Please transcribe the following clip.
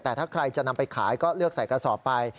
แต่ถ้าใครจะนำไปขายก็เลือกใส่กระสอบไป